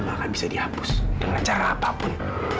makanya bisa di hapus dengan cara apapun